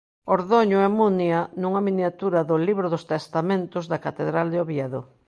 Ordoño e Munia nunha miniatura do Libro dos Testamentos da catedral de Oviedo.